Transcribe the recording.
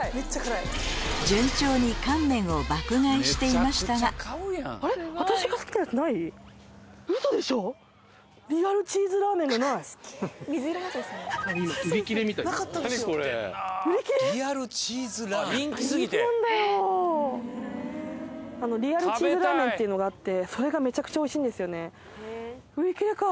していましたがリアルチーズラーメンっていうのがあってそれが。